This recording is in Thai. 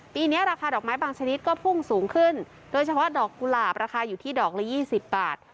ปีนี้ราคาดอกไม้บางชนิดก็พุ่งสูงขึ้นโดยเฉพาะดอกกุหลาบราคาอยู่ที่ดอกละ๒๐บาท